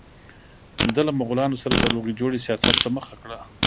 ده له مغولانو سره د روغې جوړې سیاست ته مخه کړه.